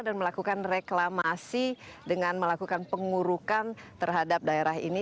dan melakukan reklamasi dengan melakukan pengurukan terhadap daerah ini